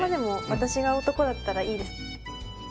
私が男だったらいいです。